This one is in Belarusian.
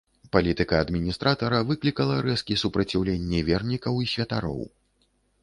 Палітыка адміністратара выклікала рэзкі супраціўленне вернікаў і святароў.